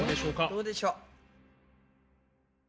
どうでしょう？